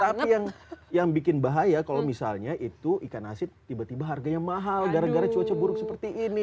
tapi yang bikin bahaya kalau misalnya itu ikan asin tiba tiba harganya mahal gara gara cuaca buruk seperti ini